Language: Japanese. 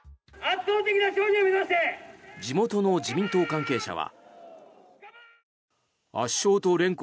地元の自民党関係者は。